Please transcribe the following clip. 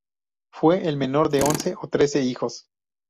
Fue el menor de once o trece hijos.